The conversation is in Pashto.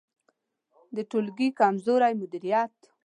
د ټولګي کمزوری مدیریت